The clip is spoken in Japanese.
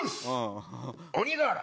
鬼瓦。